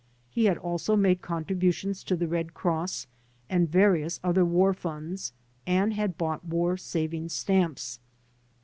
He had also made contributions to the Red Cross and various other war funds and had bought War Savings Stamps.